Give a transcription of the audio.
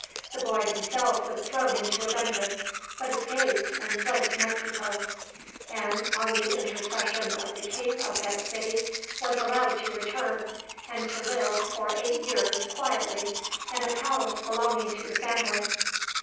The boy himself was thrown into a dungeon, but escaped and fled to Mexico; and on the intercession of the king of that city was allowed to return, and to live for eight years, quietly, in a palace belonging to the family.